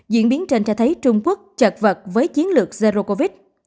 diễn biến trên cho thấy trung quốc chật vật với chiến lược zero covid